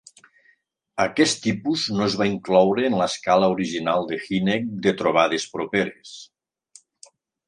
Aquest tipus no es va incloure en l'escala original de Hynek de trobades properes.